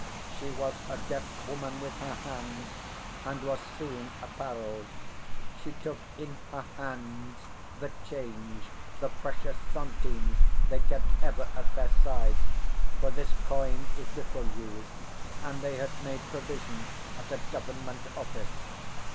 She was a deft woman with her hands, and was soon apparelled. She took in her hands the change—the precious centimes they kept ever at their side; for this coin is little used, and they had made provision at a Government office.